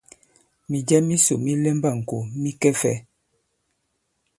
Mìjɛ misò mi lɛmba ì-ŋkò mi kɛ fɛ̄?